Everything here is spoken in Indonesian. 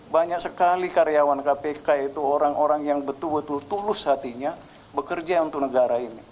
banyak sekali karyawan kpk itu orang orang yang betul betul tulus hatinya bekerja untuk negara ini